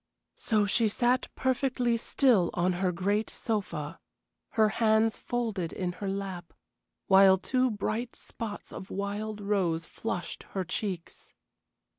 So she sat perfectly still on her great sofa, her hands folded in her lap, while two bright spots of wild rose flushed her cheeks.